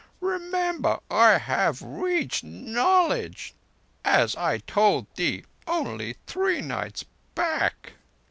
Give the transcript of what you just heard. Remember, I have reached Knowledge, as I told thee only three nights back."